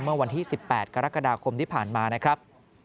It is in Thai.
เมื่อวันที่๑๘กรกฎาคมที่ผ่านมานะครับ